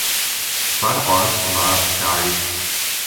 Pfarrort war Kralitz.